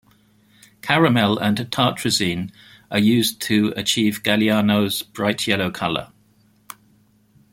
Caramel and tartrazine are used to achieve Galliano's bright yellow colour.